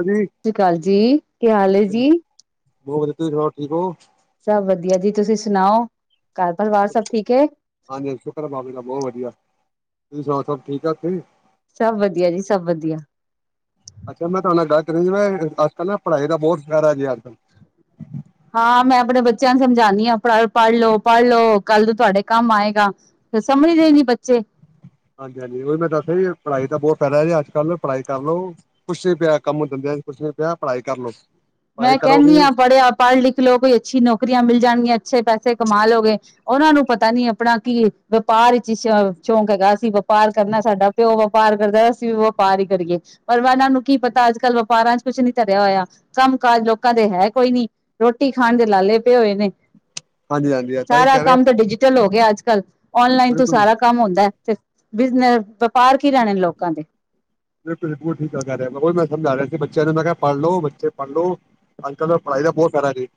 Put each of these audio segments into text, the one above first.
ਹਾਂਜੀ ਸ਼੍ਰੀ ਅਕਾਲ ਜੀ ਕੀ ਹਾਲ ਏ ਜੀ ਬਹੁਤ ਵਧੀਆ ਤੁਸੀਂ ਸੁਣਾਓ ਠੀਕ ਹੋ ਸਭ ਵਧੀਆ ਜੀ ਤੁਸੀਂ ਸੁਣਾਓ ਘਰ ਪਰਿਵਾਰ ਸਭ ਹਾਂਜੀ ਠੀਕ ਹੈ? ਹਾਂਜੀ ਸ਼ੁਕਰ ਬਾਬੇ ਦਾ ਬਹੁਤ ਵਧੀਆ ਤੁਸੀਂ ਸਣਾਓ ਸਭ ਠੀਕ ਠਾਕ ਏ ਸਭ ਵਧੀਆ ਜੀ ਸਭ ਵਧੀਆ ਅੱਛਾ ਮੈਂ ਤੁਹਾਡੇ ਨਾਲ ਗੱਲ ਅੱਜ ਕੱਲ ਨਾ ਪੜ੍ਹਾਈ ਦਾ ਬਹੁਤ ਫੈਦਾ ਜੇ ਅੱਜ ਕੱਲ੍ਹ ਹਾਂ ਮੈਂ ਆਪਣੇੇ ਬ ਬੱਚਿਆਂ ਨੂੰ ਸਮਝਾਉਂਦੀ ਹਾਂ ਪੜ੍ਹ ਪੜ੍ਹ ਲਓ ਪੜ੍ਹ ਲਓ ਕੱਲ ਨੂੰ ਤੁਹਾਡੇ ਕੰਮ ਆਏਗਾ ਤੇ ਸਮਝਦੇ ਈ ਨੀ ਬੱਚੇ ਹਾਂਜੀ ਹਾਂਜੀ ਉਹੀ ਮੈਂ ਦੱਸਿਆ ਜੀ ਪੜ੍ਹਾਈ ਤਾਂ ਬਹੁਤ ਫੈਦਾ ਹੈ ਅੱਜ ਕੱਲ ਪੜ੍ਹਾਈ ਕਰ ਲਉ ਕੁੱਛ ਨ ਪਿਆ ਕੰਮ ਦੰਦਿਆਂ ਕੁਛ ਨੀ ਪਿਆ ਪੜ੍ਹਾਈ ਕਰ ਲੋ ਮੈਂ ਕਹਿੰਦੀ ਹਾਂ ਪੜ੍ਹਿਆ ਪੜ੍ਹ ਲਿਖ ਲੋ ਕੋਈ ਅੱਛੀ ਨੌਕਰੀਆਂ ਮਿਲ ਜਾਣਗੀਆਂ ਅੱਛੇ ਪੈਸੇ ਕਮਾ ਲਓਗੇ ਉਹਨਾਂ ਨੂੰ ਪਤਾ ਨੀ ਆਪਣਾ ਕੀ ਵਪਾਰ ਚ ਸ਼ ਸ਼ੌਕ ਹੈਗਾ ਅਸੀਂ ਵਪਾਰ ਕਰਨਾ ਸਾਡਾ ਪਿਓ ਵਪਾਰ ਕਰਦੈ ਅਸੀਂ ਵੀ ਵਪਾਰ ਹੀ ਕਰੀਏ ਪਰ ਉਹਨਾਂ ਨੂੰ ਕੀ ਪਤਾ ਅੱਜ ਕੱਲ੍ਹ ਵਪਾਰਾਂ ਚ ਕੁਛ ਨੀ ਧਰਿਆ ਹੋਇਆ ਕੰਮ ਕਾਜ ਲੋਕਾਂ ਤੇ ਹੈ ਕੋਈ ਨੀ ਰੋਟੀ ਖਾਣ ਦੇ ਲਾਲੇ ਪਏ ਹੋਏ ਨੇ ਹਾਂਜੀ ਹਾਂਜੀ ਏਦਾਂ ਹੀ ਸਾਰਾ ਕਹਿ ਰਿਹਾ ਕੰਮ ਤਾਂ ਡਿਜੀਟਲ ਹੋ ਅੱ ਕੱਲ ਔਨਲਾਈਨ ਤੋਂ ਬਿਲਕੁਲ ਸਾਰਾ ਕੰਮ ਹੁੰਦੈ ਤੇ ਬਿਨ ਵਪਾਰ ਕੀ ਰਹਿਣੇ ਨੇ ਲੋਕਾਂ ਦੇ ਬਿਲਕੁਲ ਬਿਲਕੁਲ ਠੀਕ ਕਹਿ ਰਿਹਾ ਜੇ ਮੈਂ ਸਮਝਾ ਰਿਹਾ ਸੀ ਬੱਚਿਆਂ ਨੂੰ ਮੈਂ ਕਿਹਾ ਪੜ੍ਹ ਲੋ ਬੱਚੇ ਪੜ੍ਹ ਲੋ ਅੱਜ ਕੱਲ੍ਹ ਪੜ੍ਹਾਈ ਦਾ ਬਹੁਤ ਫੈਦਾ ਜੇ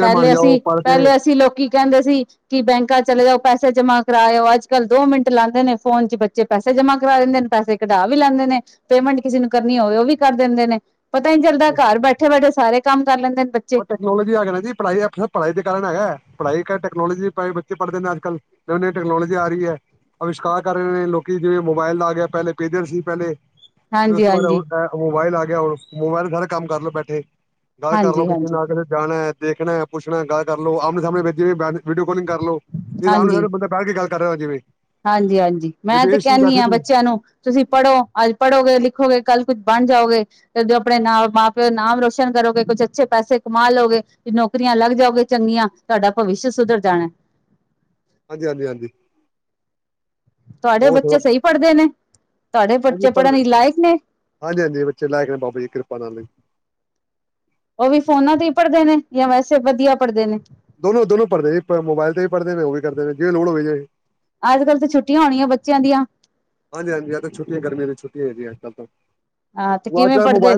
ਪਹਿਲੇ ਅਸੀਂ ਪਹਿਲੇ ਅਸੀਂ ਲੋਕੀ ਕਹਿੰਦੇ ਸੀ ਕਿ ਬੈਂਕਾਂ ਚ ਚਲੇ ਜਾਓ ਪੈਸੇ ਜਮਾ ਕਰਾਇਓ ਅੱਜ ਕੱਲ੍ਹ ਦੋ ਮਿੰਟ ਲਾਂਦੇ ਨੇ ਫੋਨ ਚ ਬੱਚੇ ਪੈਸੇ ਜਮਾ ਕਰਾ ਦਿੰਦੇ ਨੇ ਪੈਸੇ ਕਢਾ ਵੀ ਲੈਂਦੇ ਨੇ ਪੇਮੈਂਟ ਕਿਸੇ ਨੂੰ ਕਰਨੀ ਹੋਵੇ ਉਹ ਵੀ ਕਰ ਦਿੰਦੇ ਨੇ ਪਤਾ ਨੀ ਚੱਲਦਾ ਘਰ ਬੈਠੇ ਬੈਠੇ ਸਾਰੇ ਕੰਮ ਕਰ ਲੈਂਦੇ ਨੇ ਬੱਚੇ ਉਹ ਟੈਕਨੋਲੋਜੀ ਆਗੀ ਨਾ ਜੀ ਪੜ੍ਹਾਈ ਦੇ ਕਾਰਨ ਹੈਗਾ ਹੈ ਪੜ੍ਹਾਈ ਟੈਕਨੋਲੋਜੀ ਬੱਚੇ ਪੜ੍ਹਦੇ ਨੇ ਅੱਜ ਕੱਲ ਨੀ ਨੀਂ ਟੈਕਨੋਲੋਜੀ ਆ ਰਹੀ ਹੈ ਅਵਿਸ਼ਕਾਰ ਕਰ ਰਹੇ ਨੇ ਲੋਕੀ ਜਿਵੇਂ ਮੋਬਾਇਲ ਆ ਗਿਆ ਪਹਿਲੇ ਪੇਜਰ ਸੀ ਪਹਿਲੇ ਫਿਰ ਉਸ ਹਾਂਜੀ ਤੋਂ ਬਾਅਦ ਹੁਨ ਹਾਂਜੀ ਐ ਮੋਬਾਈਲ ਆ ਕੇ ਐ ਹੁਣ ਮੋਬਾਇਲ ਸਾਰੇ ਕੰਮ ਕਰਲੋ ਬੈਠੇ। ਗੱਲ ਕਰ ਲਓ। ਹਾਂਜੀ ਹਾਂਜੀ ਨਾ ਕੀਤੇ ਜਾਣਾ ਐ। ਦੇਖਣਾ ਐ, ਪੁੱਛਣਾ ਐ, ਗੱਲ ਕਰ ਲਓ, ਆਮਣੇ ਸਾਹਮਣੇ ਜਿਵੇਂ ਵੀਡੀ ਕਾਲਿੰਗ ਕਰ ਲੋ, ਜਿਵੇਂ ਆਮਨੇ ਸਾਹਮਣੇ ਬੰਦਾ ਬਹਿ ਕੇ ਗੱਲ ਕਰੋ ਜਿਵੇਂ ਹਾਂਜੀ-ਹਾਂਜੀ, ਮੈਂ ਤੇ ਵਿਦੇਸ਼ ਚ ਕਹਿੰਨੀ ਬੈਠੇ ਆਂ ਤੁਸੀਂ ਬੱਚਿਆਂ ਨੂੰ, ਤੁਸੀਂ ਪੜ੍ਹੋ, ਅੱਜ ਪੜੋਗੇ ਲਿਖੋਗੇ ਕੱਲ ਕੁੱਝ ਬਣ ਜਾਓਗੇ। ਕਦੇ ਆਪਣੇ ਮਾਂ, ਮਾਂ-ਪਿਓ ਦਾ ਨਾਮ ਰੋਸ਼ਨ ਕਰੋਗੇ, ਕੁਛ ਅੱਛੇ ਪੈਸੇ ਕਮਾ ਲਓਗੇ, ਨੌਕਰੀਆਂ ਲੱਗ ਜਾਓਗੇ ਚੰਗੀਆਂ, ਤੁਹਾਡਾ ਭਵਿਸ਼ ਸੁਧਰ ਜਾਣਾ ਐ। ਹਾਂਜੀ, ਹਾਂਜੀ, ਹਾਂਜੀ। ਤੁਹਾਡੇ ਹੋਰ ਬੱਚੇ ਸੁਣਾਓ ਸਹੀ ਪੜ੍ਹਦੇ ਨੇ, ਤੁਹਾਡੇ ਹਾਂਜੀ ਬੱਚੇ ਪਰ ਪੜ੍ਹਨ ਚ ਲਾਇਕ ਨੇ? ਹਾਂਜੀ ਹਾਂਜੀ ਬੱਚੇ ਲਾਇਕ ਨੇ ਬਾਬਾ ਜੀ ਕਿਰਪਾ ਨਾਲ ਉਹ ਵੀ ਫੋਨਾਂ ਤੇ ਹੀ ਪੜ੍ਹਦੇ ਨੇ ਜਾਂ ਵੈਸੇ ਵਧੀਆ ਪੜ੍ਹਦੇ ਨੇ? ਦੋਨੋ, ਦੋਨੋ ਪੜਦੇ ਜੀ, [unintelligible] ਮੋਬਾਇਲ ਤੇ ਵੀ ਪੜ੍ਹਦੇ ਨੇ, ਉਹ ਵੀ ਕਰਦੇ, ਜੇ ਲੋੜ ਹੋਵੇ ਜੇ ਅੱਜ ਕੱਲ੍ਹ ਤੇ ਛੁੱਟੀਆਂ ਹੋਣੀਆਂ ਬੱਚਿਆਂ ਦੀਆਂ? ਹਾਂਜੀ-ਹਾਂਜੀ, ਅੱਜ ਤਾਂ ਛੁੱਟੀਆਂ ਗਰਮੀਆਂ ਦੀ ਛੁੱਟੀਆਂ ਹੈ ਜੀ ਅੱਜ ਕੱਲ ਤੋਂ। ਹਾਂ ਤੇ ਕਿਵੇਂ ਪੜ੍ਹਦੇ,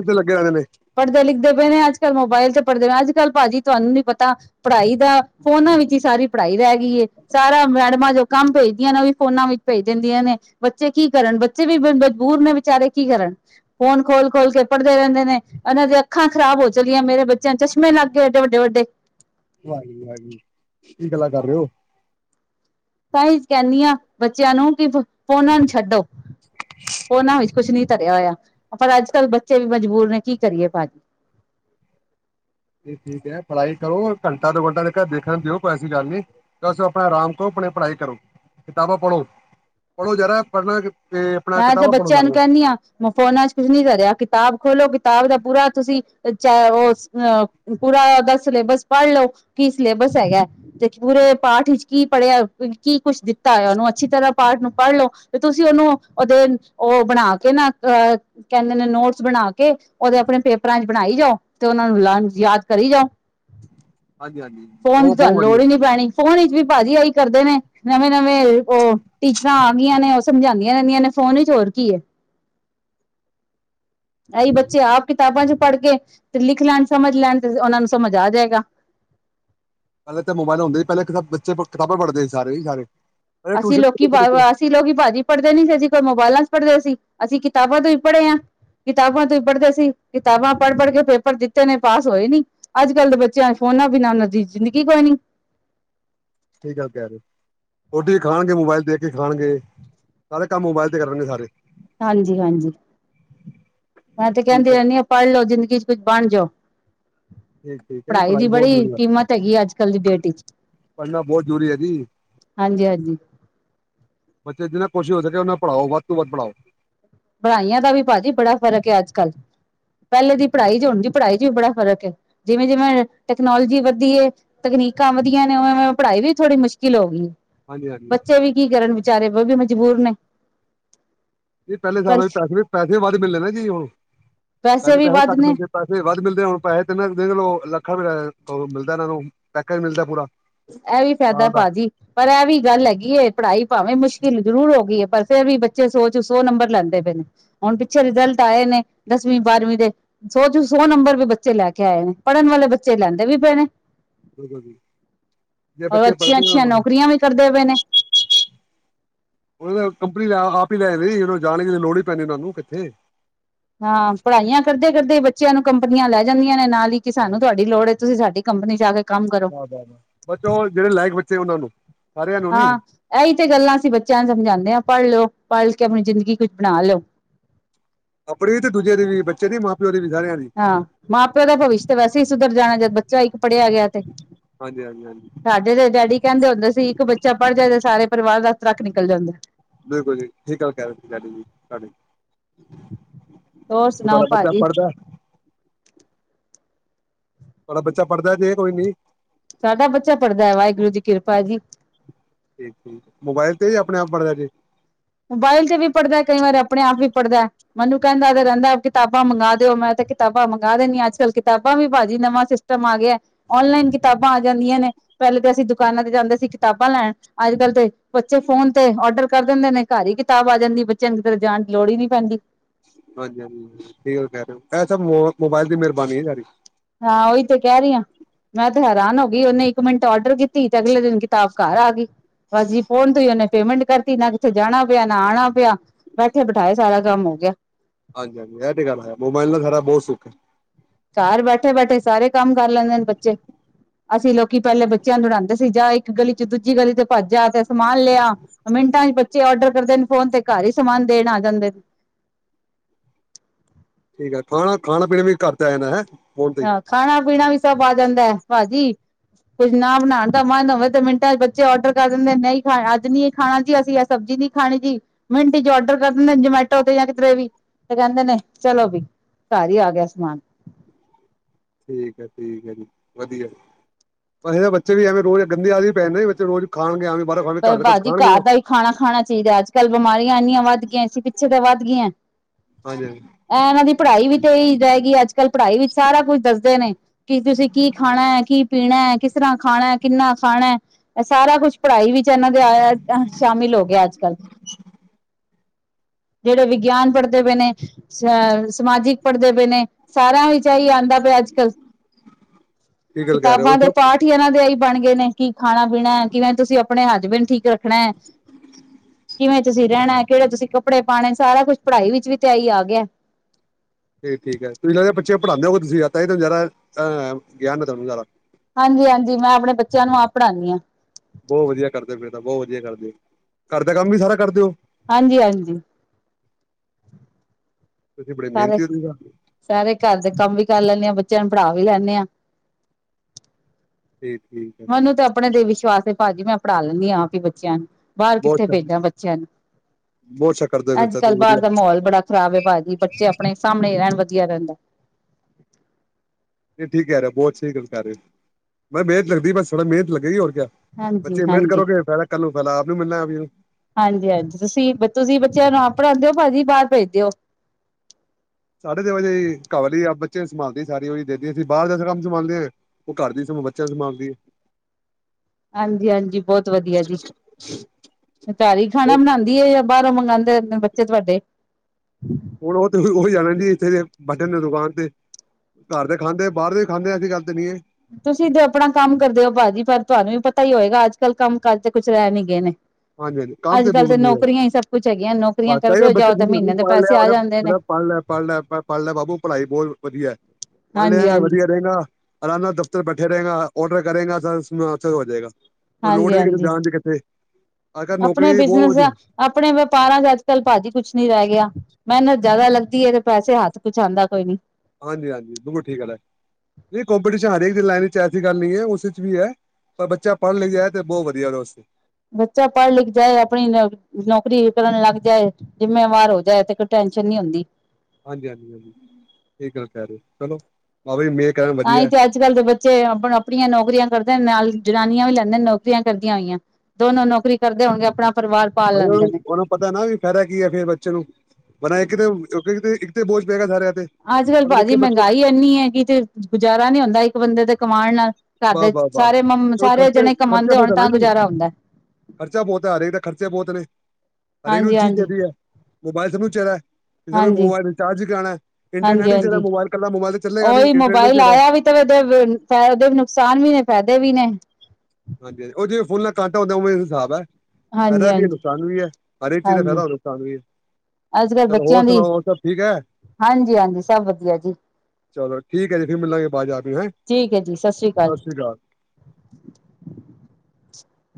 ਪੜ੍ਹਦੇ ਲਿਖਦੇ ਪਏ ਨੇ, ਅੱਜ ਕੱਲ੍ਹ ਮੋਬਾਇਲ ਚ ਪੜ੍ਹਦੇ ਪ ਅੱਜ ਕੱਲ ਭਾਜੀ ਤੁਹਾਨੂੰ ਨੀ ਪਤਾ, ਪੜ੍ਹਾਈ ਦਾ ਫੋਨਾਂ ਵਿੱਚ ਹੀ ਸਾਰੀ ਪੜ੍ਹਾਈ ਰਹਿ ਗੀ ਏ, ਸਾਰਾ ਮੈਡਮਾਂ ਜੋ ਕੰਮ ਭੇਜਦੀਆਂ ਨੇ ਉਹ ਵੀ ਫੋਨਾਂ ਵਿੱਚ ਭੇਜ ਦਿੰਦੀਆਂ ਨੇ, ਬੱਚੇ ਕੀ ਕਰਨ? ਬੱਚੇ ਵੀ ਮਜਬੂਰ ਨੇ ਵਿਚਾਰੇ ਕੀ ਕਰਨ। ਫੋਨ ਖੋਲ ਖੋਲ ਕੇ ਪੜ੍ਹਦੇ ਰਹਿੰਦੇ ਨੇ, ਇਹਨਾਂ ਦੀਆਂ ਅੱਖਾਂ ਖਰਾਬ ਹੋ ਚੱਲੀਆਂ ਮੇਰੇ ਬੱਚਿਆਂ ਚਸ਼ਮੇ ਲੱਗ ਗਏ ਐਡੇ ਵੱਡੇ-ਵੱਡੇ। ਵਾਹਿਗੁਰੂ-ਵਾਹਿਗੁਰੂ, ਕੀ ਗੱਲਾਂ ਕਰ ਰਹੇ ਹੋ? ਤਾਂਹੀ ਕਹਿੰਨੀ ਆਂ ਬੱਚਿਆਂ ਨੂੰ ਕਿ ਫੋਨਾਂ ਨੂੰ ਛੱਡੋ। ਉਹਨਾਂ ਵਿੱਚ ਕੁਛ ਨੀ ਧਰਿਆ ਹੋਇਆ, ਪਰ ਅੱਜ ਕੱਲ੍ਹ ਬੱਚੇ ਵੀ ਮਜਬੂਰ ਨੇ ਕੀ ਕਰੀਏ ਭਾਜੀ। ਇਹ ਠੀਕ ਹੈ ਪੜ੍ਹਾਈ ਕਰੋ ਘੰਟਾ ਦੋ ਘੰਟਾ ਦੇ ਦੇਖਣ ਨੂੰ ਦਿਓ, ਕੋਈ ਐਸੀ ਗੱਲ ਨਹੀਂ ਬਸ ਆਪਣਾ ਆਰਾਮ ਕਰੋ, ਆਪਣੀ ਪੜ੍ਹਾਈ ਕਰੋ, ਕਿਤਾਬਾਂ ਪੜ੍ਹੋ, ਪੜ੍ਹੋ ਜ਼ਰਾ ਪੜ੍ਹਨਾ ਤੇ ਆਪਣਾ ਮੈਂ ਤੇ ਕਿਤਾਬਾਂ ਪੜ੍ਹੋ ਬੱਚਿਆਂ ਨੂੰ ਸਾਰੀਆਂ। ਕਹਿੰਨੀ ਆਂ ਮੈਂ ਫੋਨਾਂ ਚ ਕੁਛ ਨੀ ਧਰਿਆ ਕਿਤਾਬ ਖੋਲੋ, ਕਿਤਾਬ ਦਾ ਪੂਰਾ ਤੁਸੀਂ ਚਾਹੇ ਉਹ ਅਹ ਪੂਰਾ ਉਹਦਾ ਸਿਲੇਬਸ ਪੜ੍ਹ ਲਓ ਕੀ ਸਿਲੇਬਸ ਹੈਗਾ? ਤੇ ਪੂਰੇ ਪਾਠ ਵਿੱਚ ਕੀ ਪੜ੍ਹਿਆ ਕੀ ਕੁਛ ਦਿੱਤਾ ਹੋਇਆ, ਉਹਨੂੰ ਅੱਛੀ ਤਰ੍ਹਾਂ ਪਾਠ ਨੂੰ ਪੜ੍ਹ ਲਓ ਤੇ ਤੁਸੀਂ ਉਹਨੂੰ ਉਹਦੇ ਉਹ ਬਣਾ ਕੇ ਨਾ ਅਹ ਕਹਿੰਦੇ ਨੇ, ਨੋਟਸ ਬਣਾ ਕੇ ਉਹਦੇ ਆਪਣੇ ਪੇਪਰਾਂ ਚ ਬਣਾਈ ਜਾਓ ਤੇ ਉਹਨਾ ਨੂੰ ਯਾਦ ਕਰੀ ਜਾਓ। ਹਾਂਜੀ-ਹਾਂਜੀ, ਫੋਨ ਉਹ ਚ ਬਹੁਤ ਤੁਹਾਨੂੰ ਲੋੜ ਵਧੀਆ, ਹੀ ਨੀ ਪੈਣੀ ਫੋਨ ਵਿਚ ਵੀ ਭਾਜੀ ਏਹੀ ਕਰਦੇ ਨੇ, ਨਵੇਂ ਨਵੇਂ ਉਹ ਟੀਚਰਾਂ ਆ ਗਈਆਂ ਨੇ, ਉਹ ਸਮਝਾਦੀਆਂ [unintelligible] ਨੇ ਫੋਨ ਚ ਹੋਰ ਕੀ ਐ। ਏਹੀ ਬੱਚੇ ਆਪ ਕਿਤਾਬਾਂ ਚ ਪੜ੍ਹ ਕੇ ਤੇ ਲਿਖ ਲੈਨ, ਸਮਝ ਲੈਨ ਤੇ ਉਹਨਾਂ ਨੂੰ ਸਮਝ ਆ ਜਾਏਗਾ। ਪਹਿਲੇ ਤੇ ਮੋਬਾਇਲ ਹੁੰਦੇ ਸੀ ਪਹਿਲੇ ਸਭ ਬੱਚੇ ਕਿਤਾਬਾਂ ਪੜ੍ਹਦੇ ਸੀ ਸਾਰੇ ਸਾਰੇ ਅਰੇ ਅਸੀਂ ਟਿਊਸ਼ਨ ਲੋਕੀ, ਸਹੀ [unintelligible] ਅਸੀਂ ਲੋਕੀ ਭਾਜੀ ਪੜ੍ਹਦੇ ਨੀ ਸੀ, ਅਸੀਂ ਕੋਈ ਮੋਬਾਇਲਾਂ ਚ ਪੜ੍ਹਦੇ ਸੀ। ਅਸੀਂ ਕਿਤਾਬਾਂ ਤੋਂ ਹੀ ਪੜ੍ਹੇ ਆਂ, ਕਿਤਾਬਾਂ ਤੋਂ ਹੀ ਪੜ੍ਹਦੇ ਸੀ, ਕਿਤਾਬਾਂ ਪੜ੍ਹ ਪੜ੍ਹ ਕੇ ਪੇਪਰ ਦਿੱਤੇ ਨੇ, ਪਾਸ ਹੋਏ ਨੀ ਅੱਜ ਕੱਲ ਦੇ ਬੱਚਿਆਂ ਫੋਨਾਂ ਬਿਨਾ ਉਹਨਾਂ ਦੀ ਜ਼ਿੰਦਗੀ ਕੋਈ ਨੀ। ਠੀਕ ਗੱਲ ਕਹਿ ਰਹੇ ਹੋ, ਰੋਟੀ ਵੀ ਖਾਣਗੇ ਮੋਬਾਇਲ ਦੇਖ ਕੇ ਖਾਣਗੇ, ਸਾਰੇ ਕੰਮ ਮੋਬਾਇਲ ਤੇ ਕਰਨਗੇ ਸਾਰੇ। ਹਾਂਜੀ ਹਾਂਜੀ ਮੈਂ ਤੇ ਕਹਿੰਦੀ ਠੀਕ ਹੈ, ਰਹਿੰਦੀ ਹਾਂ ਪੜ੍ਹ ਲਓ ਜ਼ਿੰਦਗੀ ਚ ਕੁੱਝ ਬਣ ਜੋ ਠੀਕ-ਠੀਕ ਹੈ, ਪੜ੍ਹਾਈ ਦੀ ਬਹੁਤ ਬੜੀ ਜ਼ਰੂਰੀ ਹੈ, ਕੀਮਤ ਹੈਗੀ ਅੱਜ ਕੱਲ੍ਹ ਦੀ ਡੇਟ ਚ ਪੜ੍ਹਨਾ ਬਹੁਤ ਜ਼ਰੂਰੀ ਹੈ ਜੀ। ਹਾਂਜੀ ਹਾਂਜੀ ਖੁਸ਼ੀ ਹੋ ਕਿ ਨਾ ਪੜ੍ਹਾਓ ਵਧ ਤੋਂ ਵਧ ਪੜਾਓ ਪੜ੍ਹਾਈਆਂ ਦਾ ਵੀ ਭਾਜੀ ਬੜਾ ਫਰਕ ਹੈ ਅੱਜ ਕੱਲ੍ਹ ਪਹਿਲੇ ਦੀ ਪੜ੍ਹਾਈ ਚ ਹੁਣ ਦੀ ਪੜ੍ਹਾਈ ਚ ਵੀ ਬੜਾ ਫ਼ਰਕ ਹੈ ਜਿਵੇਂ ਜਿਵੇਂ ਟੈਕਨੋਲੋਜੀ ਵਧੀ ਤਕਨੀਕਾਂ ਵਧੀਆ ਨੇ ਉਵੇਂ ਪੜ੍ਹਾਈ ਵੀ ਥੋੜੀ ਮੁਸ਼ਕਿਲ ਹੋ ਗਈ ਹਾਂਜੀ ਹਾਂਜੀ ਬੱਚੇ ਵੀ ਕੀ ਕਰਨ ਵਿਚਾਰੇ ਉਹ ਵੀ ਮਜਬੂਰ ਨੇ ਪਹਿਲੇ ਸਾਲ ਪਰ ਪੈ ਪੈੇ ਵੱਧ ਮਿਲਦੇ ਨੇ ਨਾ ਜੀ ਹੁਣ ਪਹਿਲੇ ਵੀ ਪੈਸੇ ਵੱਧ ਘੱਟ ਨੇ ਮਿਲਦੇ ਪੈਸੇ ਵੱਧ ਮਿਲਦੇ ਹੁਣ ਪੈਸੇ ਤਿੰਨ ਅੱਖਾ ਵੀ ਮਿਲਦਾ ਇਹਨਾਂ ਨੂੰ ਪੈਕੇਜ ਮਿਲਦਾ ਪੂਰਾ ਇਹ ਵੀ ਫਾਇਦਾ ਸਾਲ ਦਾ ਭਾਜੀ ਪਰ ਇਹ ਵੀ ਗੱਲ ਹੈਗੀ ਪੜ੍ਹਾਈ ਭਾਵੇਂ ਮੁਸ਼ਕਿਲ ਜ਼ਰੂਰ ਹੋ ਗਈ ਹੈ ਪਰ ਫੇਰ ਵੀ ਬੱਚੇ ਸੋਚ ਸੌ ਨੰਬਰ ਲੈਂਦੇ ਪਏ ਨੇ ਹੁਣ ਪਿੱਛੇ ਰਿਜ਼ਲਟ ਆਏ ਨੇ ਦਸਵੀਂ ਬਾਰਵੀਂ ਦੇ ਸੋ ਚ ਸੌ ਨੰਬਰ ਵੀ ਬੱਚੇ ਲੈ ਕੇ ਆਏ ਨੇ ਪੜ੍ਹਨ ਵਾਲੇ ਬੱਚੇ ਲੈਂਦੇ ਵੀ ਪਏ ਨੇ ਹੂੰ ਹੂੰ ਔਰ ਅੱਛੀਆਂ ਅੱਛੀਆਂ ਨੌਕਰੀਆਂ ਵੀ ਕਰਦੇ ਪਏ ਨੇ ਉਹ ਕੰਪਨੀ ਲੈ ਆਪ ਹੀ ਲੈ ਦੇ ਜਦੋਂ ਜਾਣਗੇ ਲੋੜ ਹੀ ਪੈਂਦੀ ਉਹ ਨੂੰ ਕਿੱਥੇ ਹਾਂ ਪੜ੍ਹਾਈਆਂ ਕਰਦੇ ਕਰਦੇ ਬੱਚਿਆਂ ਨੂੰ ਕੰਪਨੀਆਂ ਲੈ ਜਾਂਦੀਆਂ ਨੇ ਨਾਲ ਹੀ ਕਿ ਸਾਨੂੰ ਤੁਹਾਡੀ ਲੋੜ ਹੈ ਤੁਸੀਂ ਸਾਡੀ ਕੰਪਨੀ ਜਾ ਕੇ ਕੰਮ ਕਰੋ ਵਾਹ ਵਾਹ ਵਾਹ ਬੱਚ ਉਹ ਜਿਹੜੇ ਲਾਇਕ ਬੱਚੇ ਉਹਨਾਂ ਨੂੰ ਸਾਰਿਆਂ ਨੂੰ ਨੀ ਹਾਂ ਇਹੀ ਤੇ ਗੱਲਾਂ ਅਸੀਂ ਬੱਚਿਆਂ ਨੂੰ ਸਮਝਾਂਦੇ ਹਾਂ ਪੜ੍ਹ ਲਿਓ ਪੜ ਕੇ ਆਪਣੀ ਜ਼ਿੰਦਗੀ ਕੁਛ ਬਣਾ ਲਓ ਆਪਣੇ ਵੀ ਤੇ ਦੂਜੇ ਦੇ ਵੀ ਬੱਚੇ ਨੀ ਮਾਂ ਪਿਓ ਦੀ ਵੀ ਸਾਰਿਆਂ ਦੀ ਹਾਂ ਮਾਂ ਪਿਓ ਦਾ ਭਵਿਸ਼ ਤੇ ਵੈਸੇ ਹੀ ਸੁਧਰ ਜਾਣਾ ਬੱਚਾ ਇੱਕ ਪੜ੍ਹਿਆ ਗਿਆ ਤੇ ਹਾਂਜੀ ਹਾਂਜੀ ਹਾਂਜੀ ਸਾਡੇ ਤੇ ਡੈਡੀ ਕਹਿੰਦੇ ਹੁੰਦੇ ਸੀ ਇੱਕ ਬੱਚਾ ਪੜ੍ਹ ਜਾ ਤੇ ਸਾਰੇ ਪਰਿਵਾਰ ਦਾ ਟਰੱਕ ਨਿਕਲ ਜਾਂਦਾ ਬਿਲਕੁਲ ਜੀ ਠੀਕ ਗੱਲ ਕਹਿ ਰਹੇ ਸੀ ਜੀ ਡੈਡੀ ਜੀ ਤੁਹਾਡੇ ਹੋਰ ਜਦੋ ਸੁਣਾਓ ਤੁਙਾ ਬੱਚਾ ਭਾਜੀ ਪੜ੍ਹਦਾ ਤੁਹਾਡਾ ਬੱਚਾ ਪੜ੍ਹਦਾ ਜੇ ਕੋਈ ਨੀ ਸਾਡਾ ਬੱਚਾ ਪੜ੍ਹਦਾ ਹੈ ਵਾਹਿਗੁਰੂ ਦੀ ਕਿਰਪਾ ਜੀ ਠੀਕ ਠੀਕ ਮੋਬਾਇਲ ਤੇ ਹੀ ਆਪ ਆਪਣੇ ਆਪ ਪੜਦਾ ਜੀ ਮੋਬਾਇਲ ਤੇ ਵੀ ਪੜ੍ਹਦਾ ਕਈ ਵਾਰੀ ਆਪਣੇ ਆਪ ਵੀ ਪੜ੍ਹਦਾ ਮੈਨੂੰ ਕਹਿੰਦਾ ਤੇ ਰਹਿੰਦਾ ਕਿਤਾਬਾਂ ਮੰਗਵਾ ਦਿਓ ਮੈਂ ਤੇ ਕਿਤਾਬਾਂ ਮੰਗ ਦੇਂਦੀ ਹਾਂ ਅੱਜ ਕੱਲ ਕਿਤਾਬਾਂ ਵੀ ਭਾਜੀ ਨਵਾਂ ਸਿਸਟਮ ਆ ਗਿਆ ਔਨਲਾਈਨ ਕਿਤਾਬਾਂ ਆ ਜਾਂਦੀਆਂ ਨੇ ਪਹਿਲੇ ਤਾਂ ਅਸੀਂ ਦੁਕਾਨਾਂ ਤੇ ਜਾਂਦੇ ਸੀ ਕਿਤਾਬਾਂ ਲੈਣ ਅੱਜ ਕੱਲ ਤੇ ਬੱਚੇ ਫੋਨ ਤੇ ਔਡਰ ਕਰ ਦਿੰਦੇ ਨੇ ਘਰ ਹੀ ਕਿਤਾਬ ਆ ਜਾਂਦੀ ਬੱਚਿਆਂ ਨੂੰ ਕਿ ਜਾਣ ਲੋੜੀ ਨੀ ਪੈਂਦੀ ਹਾਂਜੀ ਹਾਂਜੀ ਠੀਕ ਕਹਿ ਰਹੇ ਵੈਸੇ ਮੋਬਾਇਲ ਦੀ ਮਹਿਰਬਾਨੀ ਸਾਰੀ ਹਾਂ ਉਹੀ ਤੇ ਕਹਿ ਰਹੀ ਹਾਂ ਮੈਂ ਤੇ ਹੈਰਾਨ ਹੋ ਗਈ ਉਹਨੇ ਮਿੰਟ ਔਡਰ ਕੀਤੀ ਤੇ ਅਗਲੇ ਦਿਨ ਕਿਤਾਬ ਘਰ ਆ ਗਈ। ਭਾਜੀ ਫੋਨ ਤੇ ਹੀ ਉਹਨੇ ਪੇਮੈਂਟ ਕਰਤੀ ਨਾ ਕਿੱਥੇ ਜਾਣਾ ਪਿਆ ਨਾ ਆਣਾ ਪਿਆ ਬੈਠੇ ਬਿਠਾਏ ਸਾਰਾ ਕੰਮ ਹੋ ਗਿਆ ਹਾਂਜੀ-ਹਾਂਜੀ ਇਹ ਤੇ ਗੱਲ ਹੈ, ਮੋਬਾਈਲ ਨਾਲ ਖਰਾ ਬਹੁਤ ਸੁੱਖ ਹੈ। ਘਰ ਬੈਠੇ-ਬੈਠੇ ਸਾਰੇ ਕੰਮ ਕਰ ਲੈਂਦੇ ਨੇ ਬੱਚੇ, ਅਸੀਂ ਲੋਕੀ ਪਹਿਲੇ ਬੱਚਿਆਂ ਨੂੰ ਦੜਾਉਂਦੇ ਸੀ, ਜਾਂ ਇੱਕ ਗਲੀ ਚ ਦੂਜੀ ਗਲੀ ਤੇ ਭੱਜਾ ਤੇ, ਸਮਾਨ ਲਿਆ, ਮਿੰਟਾਂ ਚ ਬੱਚੇ ਔਡਰ ਕਰਦੇ ਨੇ ਫੋਨ ਤੇ ਘਰ ਹੀ ਸਮਾਨ ਦੇਣ ਆ ਜਾਂਦੇ। ਠੀਕ ਹੈ, ਖਾਣਾ ਖਾਣਾ ਪੀਣਾ ਵੀ ਕਰਤਾ ਆ ਜਾਣਾ ਹੈ। ਫੋਨ ਤੇ ਹੀ। ਹਾਂ ਖਾਣਾ ਪੀਣਾ ਵੀ ਸਭ ਆ ਜਾਂਦਾ ਹੈ, ਭਾਜੀ। ਕੁੱਝ ਨਾ ਬਣਾਉਣ ਦਾ ਮਨ ਹੋਵੇ, ਤੇ ਮਿੰਟਾਂ ਚ ਬੱਚੇ ਔਡਰ ਕਰ ਦਿੰਦੇ ਨਹੀਂ ਖਾ ਅੱਜ ਨੀ ਖਾਣਾ ਜੀ ਅਸੀਂ ਇਹ ਸਬਜ਼ੀ ਨੀ ਖਾਣੀ ਜੀ ਮਿੰਟ ਚ ਔਡਰ ਕਰ ਦਿੰਦੇ ਜਮੈਟੋ ਤੇ ਜਾਂ ਕਿਧਰੇ ਵੀ ਤੇ ਕਹਿੰਦੇ ਨੇ ਚਲੋ ਵੀ ਘਰ ਹੀ ਆ ਗਿਆ ਸਮਾਨ। ਠੀਕ ਹੈ ਠੀਕ ਹੈ, ਜੀ ਵਧੀਆ ਜੀ ਬੈਸੈ ਇਹਦਾ ਬੱਚੇ ਵੀ ਐਵੇਂ ਰੋਜ਼ ਗੰਦੀ ਆਦਤ ਵੀ ਪੈਦੀ ਬੱਚੇ ਰੋਜ਼ ਖਾ ਕੇ ਆਣ ਦੀ, ਪਰ ਭਾਜੀ ਘਰ ਦਾ ਵੀ ਖਾਣਾ ਖਾਣਾ ਚਾਹੀਦਾ ਅੱਜ ਕੱਲ ਬਿਮਾਰੀਆਂ ਇੰਨੀਆਂ ਵੱਧ ਗਈਆਂ ਸੀ, ਕਿ ਅੱਛੇ ਤਾਂ ਵੱਧ ਕੀ ਐ। ਹਾਂਜੀ ਹਾਂਜੀ ਐ ਇਹਨਾਂ ਦੀ ਪੜ੍ਹਾਈ ਵੀ ਤੇ ਈ ਜਾਏਗੀ ਅੱਜ ਕੱਲ੍ਹ ਪੜ੍ਹਾਈ ਵਿੱਚ ਸਾਰਾ ਕੁੱਛ ਦੱਸਦੇ ਨੇ ਕਿ ਤੁਸੀਂ ਕੀ ਖਾਣਾ ਹੈ, ਕੀ ਪੀਣਾ ਕਿਸ ਤਰ੍ਹਾਂ ਖਾਣਾ ਕਿੰਨਾ ਖਾਣਾ ਇਹ ਸਾਰਾ ਕੁਛ ਪੜ੍ਹਾਈ ਵਿੱ ਐਨਾ ਦੇ ਆਇਆ ਅ ਸ਼ਾਮਿਲ ਹੋ ਗਿਆ ਅੱਜ-ਕੱਲ, ਜਿਹੜੇ ਵਿਗਿਆਨ ਪੜ੍ਹਦੇ ਪਏ ਨੇ, ਸ ਸਮਾਜਿਕ, ਪੜਦੇ ਪਏ ਨੇ, ਸਾਰਿਆਂ ਵਿੱਚ ਐਈ ਆਦਾ ਪਿਆ ਅੱਜ ਕੱਲ, ਠੀਕ ਗੱਲ ਕਹਿ ਰਹੇ ਹੋ ਕਿਤਾਬਾਂ ਦੇ ਸਭ ਪਾਠ ਹੀ ਇਹਨਾਂ ਐਈ, ਬਣ ਗਏ ਨੇ, ਕੀ ਖਾਣਾ ਪੀਣਾ ਕਿਵੇਂ ਤੁਸੀਂ ਆਪਣੇ ਹਸਬੈਂਡ ਠੀਕ ਰੱਖਣਾ ਹੈ, ਕਿਵੇਂ ਤੁਸੀਂ ਰਹਿਣਾ ਕਿਹੜੇ ਤੁਸੀਂ ਕੱਪੜੇ ਪਾਉਣੇ ਸਾਰਾ ਕੁਛ ਪੜ੍ਹਾਈ ਵਿੱਚ ਵੀ ਤੇ ਐਈ ਆ ਗਿਆ। ਠੀਕ ਠੀਕ ਹੈ, ਤੁਸੀਂ ਲੱਗਦੇ ਬੱਚੇ ਪੜ੍ਹਾਉਂਦੇ ਹੋਗੇ, ਤੁਸੀਂ ਤਾਂਹੀ ਤਾ ਇਹ ਤੁਹਾਨੂੰ ਜ਼ਿਆਦਾ ਅ ਗਿਆਨ ਹੈ ਤੁਹਾਨੂੰ ਜ਼ਿਆਦਾ ਹਾਂਜੀ-ਹਾਂਜੀ, ਮੈਂ ਆਪਣੇ ਬੱਚਿਆਂ ਨੂੰ ਆਪ ਪੜ੍ਹਾਨੀ ਆ, ਬਹੁਤ ਵਧੀਆ ਕਰਦੇ ਹੋ ਫਿਰ ਤਾਂ ਬਹੁਤ ਵਧੀਆ ਕਰਦੇ ਔ ਘਰ ਦਾ ਕੰਮ ਵੀ ਸਾਰਾ ਕਰਦੇ ਔ। ਹਾਂਜੀ-ਹਾਂਜੀ, ਤੁਸੀਂ ਬੜੇ ਮਿਹਨਤੀ ਹੋ ਤੁਸੀਂ ਤਾਂ ਸਾਰੇ-ਸਾਰੇ ਘਰ ਦੇ ਕੰਮ ਵੀ ਕਰ ਲੈਨੇ ਆ ਬੱਚਿਆਂ ਨੂੰ ਪੜਾ ਵੀ ਲੈਂਨੇ ਆ। ਠੀਕ ਠੀਕ ਹੈ ਮੈਨੂੰ ਤੇ ਆਪਣੇ ਤੇ ਵਿਸ਼ਵਾਸ ਤੇ ਭਾਜੀ ਮੈਂ ਪੜ੍ਹਾ ਲੈਂਨੀ ਹਾਂ ਵੀ ਬੱਚਿਆਂ ਨੂੰ ਬਾਹਰ ਕਿੱਥੇ ਬਹੁਤ ਭੇਜਾਂ ਬੱਚਿਆਂ ਨੂੰ ਬਹੁਤ ਅੱਛਾ ਕਰਦਾ ਅੱਜ ਫਿਰਦਾ ਤੇ ਕੱਲ੍ਹ ਬਾਹਰ ਵਧੀਆ ਦਾ ਮਾਹੌਲ ਬੜਾ ਖ਼ਰਾਬ ਹੈ, ਭਾਜੀ ਬੱਚੇ ਆਪਣੇ ਸਾਹਮਣੇ ਰਹਿਣ ਬ ਵਧੀਆ ਰਹਿੰਦਾ। ਇਹ ਠੀਕ ਕਹਿ ਰਹੇ ਔ ਬਹੁਤ ਸਹੀ ਗੱਲ ਕਰ ਰਹੇ, ਮੈਂ ਮਿਹਨਤ ਲਗਦੀ ਬਸ ਥੋੜਾ ਮਿਹਨਤ ਲੱਗੇਗੀ ਔਰ, ਫੈਲਾ ਆਪ ਨੂੰ ਮਿਲਣਾ ਆਪ ਨੂੰ ਹਾਂਜੀ-ਹਾਂਜੀ-ਹਾਂਜੀ-ਹਾਂਜੀ, ਤੁਸੀਂ ਤੁਸੀਂ ਬੱਚਿਆਂ ਨੂੰ ਆਪ ਪੜ੍ਹਾਉਂਦੇ ਹੋ। ਭਾਜੀ ਬਾਹਰ ਭੇਜ ਦਿਓ। ਸਾਢੇ ਤੇ ਵਜੇ ਘਰ ਬੱਚਿਆਂ ਸੰਭਾਲਦੀ ਸਾਰੀ ਉਹੀ ਦੇਦੀ ਅਸੀਂ ਬਾਹਰ ਦਾ ਅਸੀਂ ਕੰਮ ਸੰਭਾਲਦੇ ਐ ਉਹ ਘਰ ਦੀ ਬੱਚਿਆਂ ਨੂੰ ਸੰਭਾਲਦੀ ਹੈ। ਹਾਂਜੀ-ਹਾਂਜੀ, ਬਹੁਤ ਵਧੀਆ ਜੀ ਘਰ ਹੀ ਖਾਣਾ ਉਹ ਬਣਾਉਂਦੀ ਆ ਜਾਂ ਬਾਹਰੋਂ ਮੰ ਖਾਦੇ ਐ ਬੱਚੇ ਤੁਹਾਡੇ, ਹੁਣ ਉਹ ਤੇ ਉਹੀ ਜਾਣਾ ਜੀ ਇੱਥੇ ਦੇ ਬੈਠੇ ਨੇ ਦੁਕਾਨ ਤੇ ਘਰ ਦੇ ਖਾਂਦੇ ਬਾਹਰ ਦੇ ਖਾਂਦੇ ਐਸੀ ਗੱਲ ਤਾਂ ਨਹੀਂ ਹੈ। ਤੁਸੀਂ ਤੇ ਆਪਣਾ ਕੰਮ ਕਰਦੇ ਹੋ ਭਾਜੀ ਪਰ ਤੁਹਾਨੂੰ ਵੀ ਪਤਾ ਹੀ ਹੋਏਗਾ ਅੱਜ ਕੱਲ ਕੰਮ ਕਾਜ ਤੇ ਕੁਛ ਰਹਿ ਨੀ ਗਏ ਨੇ ਹਾਂਜੀ ਹਾਂਜੀ ਕੰਮ ਅੱਜ ਤੇ ਬੋਤ ਕੱਲ੍ਹ ਮੰਦੀ ਏ, ਨੌਕਰੀਆਂ ਹੀ ਸਭ ਕੁੱਛ ਹੈਗੀਆਂ ਨੌਕਰੀਆਂ ਕਰਦੇ ਹੋ ਜਾਓ ਤਾਂ ਬੱਚੇ ਮਹੀਨੇ ਦੇ ਪੜ੍ਹ ਪੈਸੇ ਲਿਆ ਆ ਜਾਂਦੇ ਨੇ ਮਲਬ ਪੜ੍ਹ ਲੈ ਪੜ੍ਹ ਲੈ ਪੜ੍ਹ ਲੈ ਬਾਬੂ ਪੜ੍ਹਾਈ ਬਹੁਤ ਵਧੀਆ ਪੜ੍ਹ ਹਾਂਜੀ ਲਿਆਂਗਾ ਹਾਂਜੀ ਵਧੀਆ ਰਹੇਗਾ। ਫਾਲਾਨ ਦਫ਼ਤਰ ਚ ਬੈਠਾ ਰਹੇਗਾ ਔਡਰ ਕਰੇਗਾ ਸਰ ਉਸ ਔਰ ਹੋ ਜਾਏਗਾ ਕੋਈ ਲੋੜ ਹਾਂਜੀ ਵੀ ਕਿਤੇ ਹਾਂਜੀ ਜਾਣ ਦੀ ਕਿਥੇ ਆਪਣੇ ਬਿਜਨਸ ਆਪਣੇ ਵਪਾਰਾਂ ਚ ਅੱਜ ਕੱਲ੍ਹ ਭਾਜੀ ਕੁਛ ਨੀ ਰਹਿ ਗਿਆ। ਮੈਨੂੰ ਜਿਆਦਾ ਲੱਗਦੀ ਤੇ ਪੈਸੇ ਹੱਥ ਕੁਛ ਆਂਦਾ ਕੋਈ ਨੀ ਹਾਂਜੀ ਹਾਂਜੀ ਬਿਲਕੁਲ ਠੀਕ ਗੱਲ ਹੈ ਨਹੀਂ ਕੋਂਪੀਟੀਸ਼ਨ ਹਰੇਕ ਦੀ ਲਾਈਨ ਵਿੱਚ ਐਸੀ ਗੱਲ ਨਹੀਂ ਹੈ ਉਸ ਵਿੱਚ ਵੀ ਹੈ ਪਰ ਬੱਚਾ ਪੜ੍ਹ ਲਿਆ ਤੇ ਬਹੁਤ ਵਧੀਆ ਉਹਦੇ ਵਾਸਤੇ ਬੱਚਾ ਪੜ੍ਹ ਲਿਖ ਜਾਏ ਆਪਣੀ ਨੌਕਰੀ ਕਰਨ ਲੱਗ ਜਾਏ ਜਿੰਮੇਵਾਰ ਹੋ ਜਾਏ ਤੇ ਕੋਈ ਟੈਨਸ਼ਨ ਨਹੀਂ ਹੁੰਦੀ। ਹਾਂਜੀ ਹਾਂਜੀ ਹਾਂਜੀ ਇਹ ਗੱਲ ਕਹਿ ਰਹੇ ਚਲੋ ਬਾਬਾ ਜੀ ਮੇਰ ਕਰਨ ਤਾਂ ਹੀ ਵਧੀਆ ਤੇ ਅੱਜ ਕੱਲ੍ਹ ਦੇ ਬੱਚੇ ਆਪ ਆਪਣੀਆਂ ਨੌਕਰੀਆਂ ਕਰਦੇ ਨਾਲ ਜਨਾਨੀਆਂ ਵੀ ਲੈਂਦੇ ਨੇ ਨੌਕਰੀਆਂ ਕਰਦੀਆਂ ਹੋਈਆਂ ਦੋਨੋ ਨੌਕਰੀ ਕਰਦੇ ਹੋਣਗੇ ਆਪਣਾ ਪਰਿਵਾਰ ਪਾਲ ਬਾਈ ਲੈਂਦੇ ਉਹ ਨੇ। ਉਹਨੂੰ ਪਤਾ ਨਾ ਵੀ ਫਾਇਦਾ ਕੀ ਆ ਫੇਰ ਬੱਚੇ ਨੂੰ ਮਨਾ ਕਿਤੇ ਇੱਕ ਤੇ ਬੋਝ ਪਏਗਾ ਸਾਰਿਆਂ ਤੇ ਅੱਜ ਕੱਲ ਪੜ੍ਹੇ ਭਾਜੀ ਲਿਖੇ ਬੱਚੇ ਮਹਿੰਗਾਈ ਐੰਨੀ ਹੈ ਕਿ ਤੇ ਗੁਜ਼ਾਰਾ ਨੀ ਹੁੰਦਾ ਇੱਕ ਬੰਦੇ ਦੇ ਕਮਾਣ ਨਾਲ ਘਰ ਬਸ ਦੇ ਬਸ ਸਾਰੇ ਮ ਸਾਰੇ ਖਰਚੇ ਜਣੇ ਖਰਚਾ ਕਮਾਉਂਦੇ ਬਹੁਤ ਹੋਣ ਹੈ ਨਾ ਤਾਂ ਜੀ ਗੁਜ਼ਾਰਾ ਹੁੰਦਾ ਖਰਚਾ ਬਹੁਤ ਹੈ ਹਰੇਕ ਦਾ ਖਰਚੇ ਬਹੁਤ ਨੇ ਹਰੇਕ ਨੂੰ ਹਾਂਜੀ ਚੀਜ਼ ਦੇ ਹਾਂਜੀ ਤੀ ਮੋਬਾਇਲ ਸਭ ਚਾਹੀਦਾ ਏ ਹਾਂਜੀ ਮੋਬਾਇਲ ਰਿਚਾਰਜ ਕਰਉਣਾ ਹਾਂਜੀ ਇੰਟਰਨੈਟ ਵੀ ਚ ਹਾਂਜੀ ਮੋਬਾਇਲ ਇਕੱਲਾ ਮੋਬਾਇਲ ਤੇ ਚੱਲੇਗਾ ਨੀ ਉਹੀ ਇੰਟਰਨੈਟ ਵੀ ਮੋਬਾਇਲ ਚਲਣਾ ਏ। ਆਇਆ ਤੇ ਉਹਦੇ ਉਹਦੇ ਨੁਕਸਾਨ ਵੀ ਨੇ ਫਾਇਦੇ ਵੀ ਨੇ ਹਾਂਜੀ ਹਾਂਜੀ ਉਹ ਜਿਵੇਂ ਫੁੱਲਾਂ ਕੱਟ ਹੁੰਦਾ ਉਵੇਂ ਹਿਸਾਬ ਹੈ ਹਾਂਜੀ ਫਾਇਦਾ ਵੀ ਹੈ ਹਾਂਜੀ ਨੁਕਸਾਨ ਵੀ ਹੈ ਹਰੇਕ ਚੀਜ਼ ਦਾ ਫਾਇਦਾ ਹਾਂਜੀ ਹੋ ਨੁਕਸਾਨ ਵੀ ਹੈ ਅੱਜ ਕੱਲ੍ਹ ਚਲੋ ਬੱਚਿਆਂ ਹੋਰ ਦੀ ਸੁਣਾਓ ਹੋਰ ਸਭ ਠੀਕ ਹੈ ਹਾਂਜੀ ਹਾਂਜੀ ਸਭ ਵਧੀਆ ਜੀ ਚਲੋ ਠੀਕ ਹੈ ਜੀ ਫਿਰ ਮਿਲਾਂਗੇ ਬਾ ਸ਼ਾਮੀ ਹੈਂ ਠੀਕ ਹੈ ਜੀ ਸਤਿ ਜੀ ਸ੍ਰੀ ਅਕਾਲ।